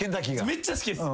めっちゃ好きっす！